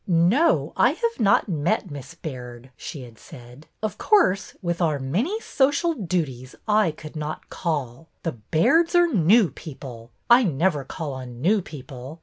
" No, I have not met Miss Baird,'' she had said. Of course, with our many social duties, I could not call. The Bairds are new people. I never call on new people.